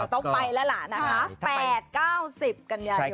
ต้องไปแล้วล่ะนะคะ๘๙๐กันยายน